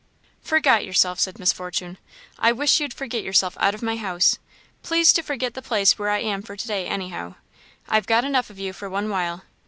"Forgot yourself!" said Miss Fortune; "I wish you'd forget yourself out of my house. Please to forget the place where I am for to day, anyhow; I've got enough of you for one while.